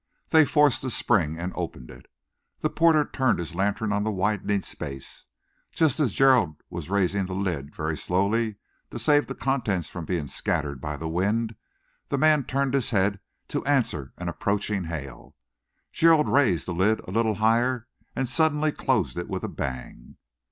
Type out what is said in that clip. They forced the spring and opened it. The porter turned his lantern on the widening space. Just as Gerald was raising the lid very slowly to save the contents from being scattered by the wind, the man turned his head to answer an approaching hail. Gerald raised the lid a little higher and suddenly closed it with a bang.